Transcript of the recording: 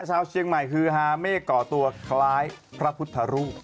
ชาวเชียงใหม่ฮือฮาเมฆก่อตัวคล้ายพระพุทธรูป